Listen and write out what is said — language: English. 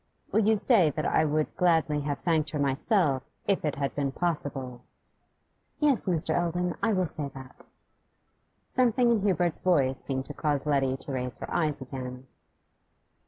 'Will you say that I would gladly have thanked her myself, if it had been possible?' 'Yes, Mr. Eldon, I will say that.' Something in Hubert's voice seemed to cause Letty to raise her eyes again.